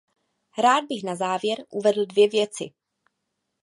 Rád bych na závěr uvedl dvě věci.